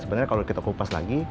sebenarnya kalau kita kupas lagi